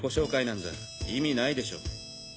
なんざ意味ないでしょ。